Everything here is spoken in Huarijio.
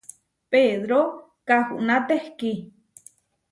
Pedró kahuná tehkí.